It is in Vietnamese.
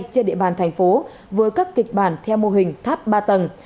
trên địa bàn thành phố với các kịch bản theo mô hình tháp ba tầng